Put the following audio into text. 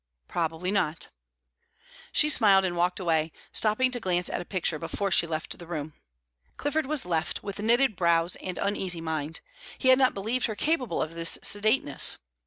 "Probably not." She smiled, and walked away, stopping to glance at a picture before she left the room. Clifford was left with knitted brows and uneasy mind; he had not believed her capable of this sedateness.